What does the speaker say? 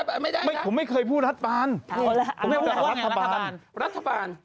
ผมยังไม่พูดว่ารัฐบาล